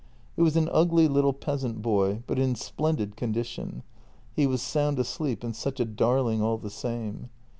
It was an ugly little peasant boy, but in splendid condition; he was sound asleep and such a darling all the same.